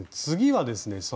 次はですね